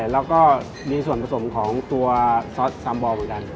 แล้วก็มีส่วนผสมของตัวซอสซามบอลเหมือนกัน